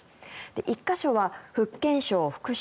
１か所は福建省福州